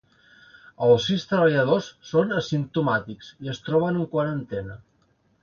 Els sis treballadors són asimptomàtics i es troben en quarantena.